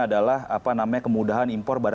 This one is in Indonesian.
adalah apa namanya kemudahan impor